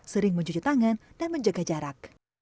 sering mencuci tangan dan menjaga jarak